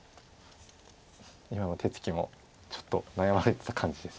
今の手つきもちょっと悩まれてた感じです。